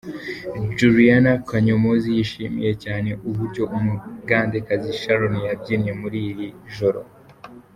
Juliana Kanyomozi yishimiye cyane uburyo umugandekazi Sharon yabyinnye muri iri joro.